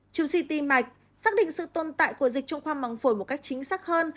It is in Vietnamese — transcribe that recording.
chụp x ti mạch xác định sự tồn tại của dịch trong khoang măng phổi một cách chính xác hơn